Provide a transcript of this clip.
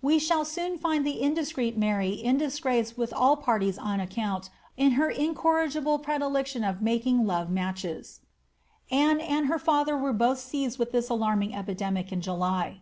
We soali soon find the indiscreet Mary in disgrace with all parties on •ceount of her incorrigible predilection for making love matches. Anne and her father were both seized with this alarming epidemic in July.